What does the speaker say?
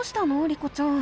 リコちゃん。